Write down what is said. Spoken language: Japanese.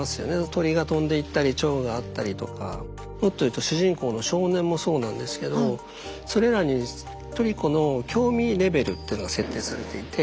鳥が飛んでいったりチョウがあったりとかもっと言うと主人公の少年もそうなんですけどそれらにトリコの「興味レベル」っていうのが設定されていて。